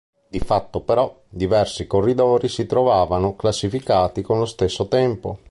Di fatto però, diversi corridori si trovavano classificati con lo stesso tempo.